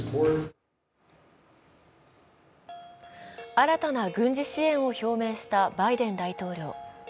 新たな軍事支援を表明したバイデン大統領。